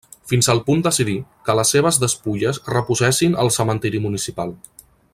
Fins al punt decidir, que les seves despulles reposessin al cementiri municipal.